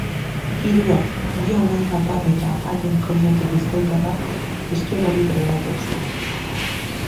Hirurak, bi anai nafar eta haien koinatu bizkaitarra, eskialari trebatuak ziren.